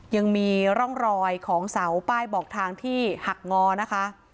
ยังมีร่องรอยของเสาป้ายบอกทางที่หักงอนะคะ